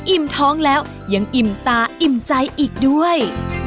อิ่มท้องแล้วยังอิ่มตาอิ่มใจอีกด้วย